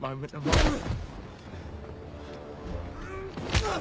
うっ！